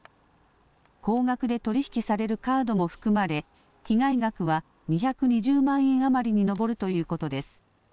高額で取り引きされるカードも含まれ被害額は２２０万円余りに上るということです。